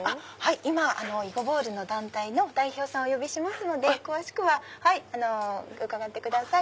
今囲碁ボールの団体の代表さんをお呼びしますので詳しくは伺ってください。